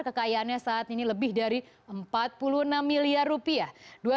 kekayaannya saat ini lebih dari empat puluh enam miliar rupiah